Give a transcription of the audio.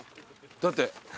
だって。